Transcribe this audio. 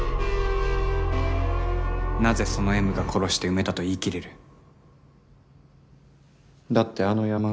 なぜそのＭが殺して埋めたと言い切れる？